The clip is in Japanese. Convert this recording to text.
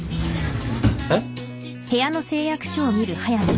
えっ？